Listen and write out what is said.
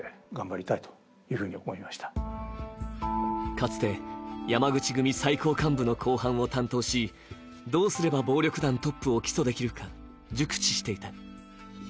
かつて山口組最高幹部の公判を担当しどうすれが暴力団トップを起訴できるか熟知していた。